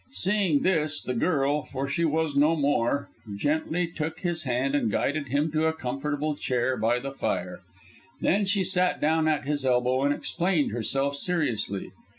Seeing this, the girl for she was no more gently took his hand and guided him to a comfortable chair by the fire. Then she sat down at his elbow and explained herself seriously.